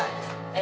え？